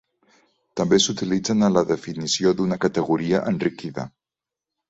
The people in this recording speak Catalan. També s'utilitzen en la definició d'una categoria enriquida.